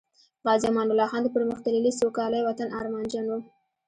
غازی امان الله خان د پرمختللي، سوکالۍ وطن ارمانجن وو